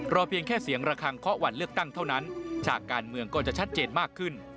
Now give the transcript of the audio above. เพียงแค่เสียงระคังเคาะวันเลือกตั้งเท่านั้นฉากการเมืองก็จะชัดเจนมากขึ้น